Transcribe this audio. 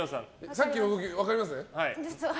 さっきの動き分かりますね？